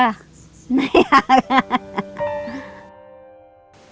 ไม่อยาก